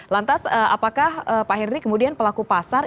lantas apakah pak henry kemudian pelaku pasar